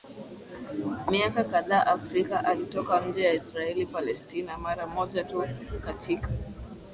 miaka kadhaa Afrika Alitoka nje ya Israeli Palestina mara moja tu katika